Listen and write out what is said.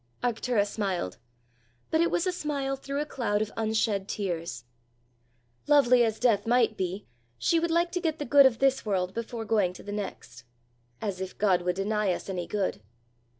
Arctura smiled; but it was a smile through a cloud of unshed tears. Lovely as death might be, she would like to get the good of this world before going to the next! As if God would deny us any good!